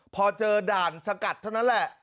พอเจอด่านสกัดเท่านั้นแหละ